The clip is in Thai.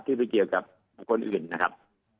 ที่เกี่ยวกับคนอื่นนะครับ